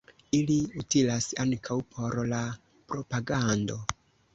Ili utilas ankaŭ por la propagando.